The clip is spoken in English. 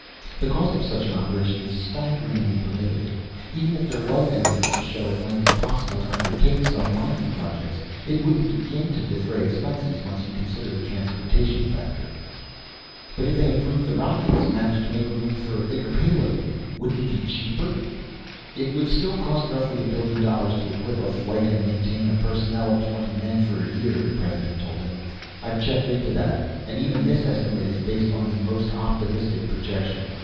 The cost of such an operation is staggeringly prohibitive. Even if there was evidence to show it might be possible to undertake some mining projects, it wouldn't begin to defray expenses, once you consider the transportation factor." "But if they improve the rockets, manage to make room for a bigger payload, wouldn't it be cheaper?" "It would still cost roughly a billion dollars to equip a flight and maintain a personnel of twenty men for a year," the President told him. "I've checked into that, and even this estimate is based on the most optimistic projection.